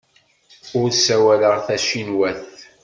Ur ssawaleɣ tacinwat.